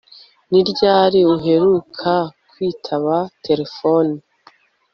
Ni ryari uheruka kwitaba terefone